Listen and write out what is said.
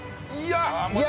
いや！